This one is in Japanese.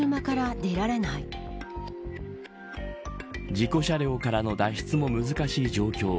事故車両からの脱出も難しい状況。